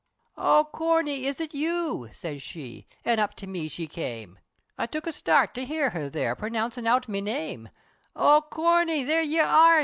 "O Corney is it you?" siz she, An' up to me she came, I took a start, to hear her there, Pronouncin' out me name; "O Corney, there ye are!"